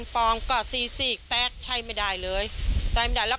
ต๊อก่อน๔สี่แต๊กใช้ไม่ได้เลย